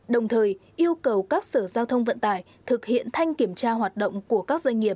đồng thời yêu cầu các sở giao thông vận tải thực hiện thanh kiểm tra hoạt động của các doanh nghiệp